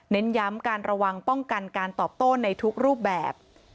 ย้ำการระวังป้องกันการตอบโต้ในทุกรูปแบบ